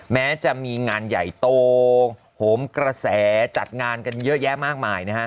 แม้จะมีงานใหญ่โตโหมกระแสจัดงานกันเยอะแยะมากมายนะฮะ